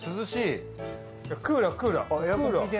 クーラー、クーラー。